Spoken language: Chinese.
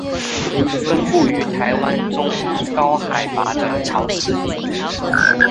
分布于台湾中高海拔的潮湿地。